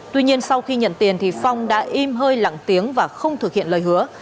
tuy nhiên sau khi nhận tiền thì phong đã im hơi lặng tiếng và không thực hiện lời hứa